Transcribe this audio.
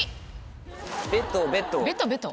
ベトベト。